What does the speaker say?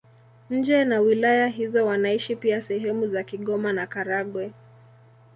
Nje na wilaya hizo wanaishi pia sehemu za Kigoma na Karagwe.